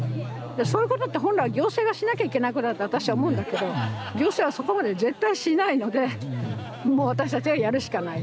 そういうことって本来は行政がしなきゃいけないことだって私は思うんだけど行政はそこまで絶対しないのでもう私たちがやるしかない。